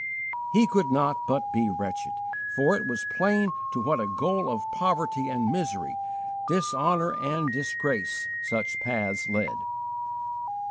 He could not but be wretched, for it was plain to what a goal of poverty and misery, dishonour and disgrace, such paths lead.